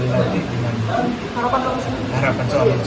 soal wakil seperti apa pak